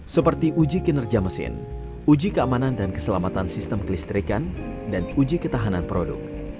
seperti uji kinerja mesin uji keamanan dan keselamatan sistem kelistrikan dan uji ketahanan produk